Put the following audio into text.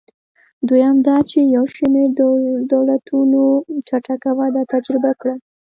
دویم دا چې یو شمېر دولتونو چټکه وده تجربه کړه.